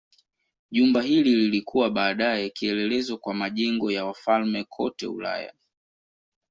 Jumba hili lilikuwa baadaye kielelezo kwa majengo ya wafalme kote Ulaya.